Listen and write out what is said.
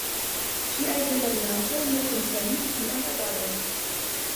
Ŝiaj gelernantoj ne komprenis ŝian agadon.